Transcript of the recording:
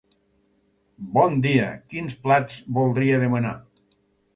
Bon dia, quins plats voldria demanar?